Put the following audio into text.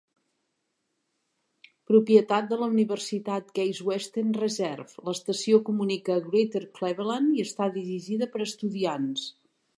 Propietat de la universitat Case Western Reserve, l'estació comunica Greater Cleveland i està dirigida per estudiants.